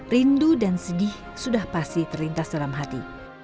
rindu dan sedih sudah pasti terlintas dalam hati